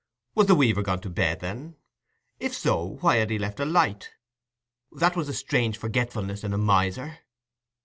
Was the weaver gone to bed, then? If so, why had he left a light? That was a strange forgetfulness in a miser.